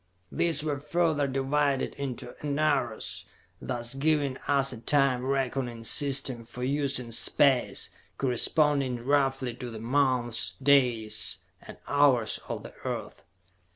These were further divided into enaros, thus giving us a time reckoning system for use in space, corresponding roughly to the months, days and hours of the Earth.